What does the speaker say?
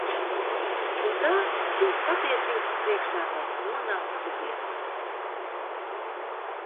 Un tā šīs patiesības priekšā mēs nonāktu vienmēr.